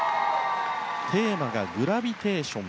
テーマがグラビテーション。